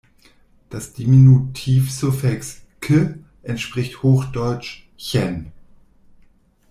Das Diminutiv-Suffix "-ke" entspricht hochdeutsch "-chen".